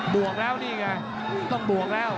วกแล้วนี่ไงต้องบวกแล้ว